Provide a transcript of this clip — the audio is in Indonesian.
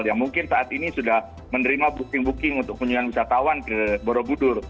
yang mungkin saat ini sudah menerima booking booking untuk kunjungan wisatawan ke borobudur